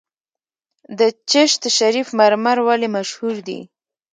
د چشت شریف مرمر ولې مشهور دي؟